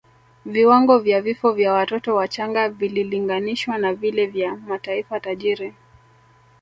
Viwango vya vifo vya watoto wachanga vililinganishwa na vile vya mataifa tajiri